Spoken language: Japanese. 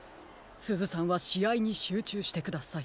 すずさんはしあいにしゅうちゅうしてください。